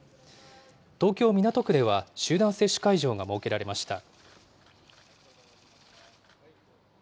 東京・港区では、集団接種会場が設けられました。